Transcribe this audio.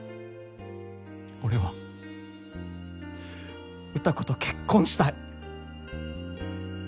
俺は歌子と結婚したい。